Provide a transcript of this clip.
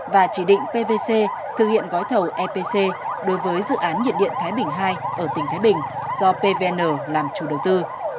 và chỉ định pvc thực hiện gói thầu epc đối với dự án nhiệt điện thái bình ii ở tỉnh thái bình do pvn làm chủ đầu tư